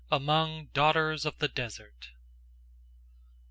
AMONG DAUGHTERS OF THE DESERT.